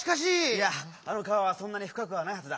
いやあの川はそんなにふかくはないはずだ。